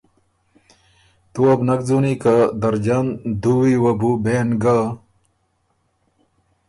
تُو وه بو نک ځُونی که درجن دُوی وه بېن ګۀ